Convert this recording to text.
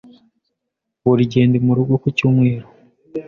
Buri gihe ndi murugo ku cyumweru.